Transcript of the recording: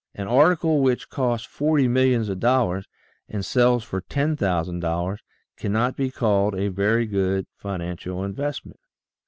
An article which costs forty millions of dollars, and sells for ten thousand dollars, cannot be called a very good financial investment.